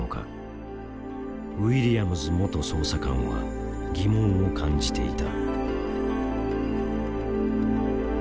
ウィリアムズ元捜査官は疑問を感じていた。